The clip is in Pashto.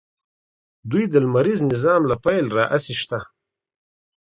دوی د لمریز نظام له پیل راهیسې شته.